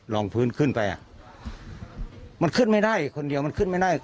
รองพื้นขึ้นไปอ่ะมันขึ้นไม่ได้คนเดียวมันขึ้นไม่ได้